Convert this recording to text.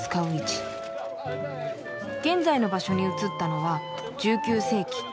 「現在の場所に移ったのは１９世紀。